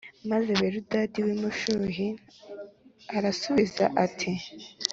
maze biludadi w’umushuhi arasubiza ati